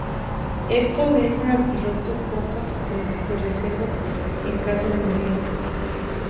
Esto deja al piloto poca potencia de reserva en caso de emergencia.